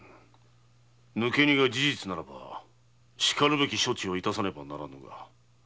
抜け荷が事実ならばしかるべき処置を致さねばならぬな。